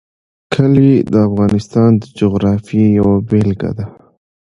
کلي د افغانستان د جغرافیې یوه بېلګه ده.